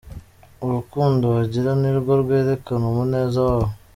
Urukundo bagira nirwo rwerekana umuneza wabo.